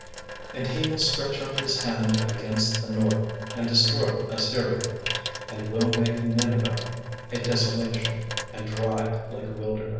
36:002:013 And he will stretch out his hand against the north, and destroy Assyria; and will make Nineveh a desolation, and dry like a wilderness.